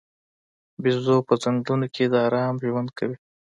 بیزو په ځنګلونو کې د آرام ژوند کوي.